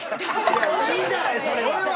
いいじゃないそれは。